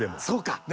そうか。